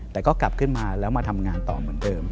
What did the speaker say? แต่ก็กลับขึ้นมาแล้วมาทำงานต่อเหมือนเดิม